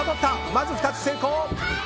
まず２つ成功！